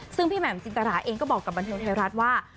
ซึ่งพี่แหม่มจินตราเองก็บอกกับบันเทิงไทยรัฐว่า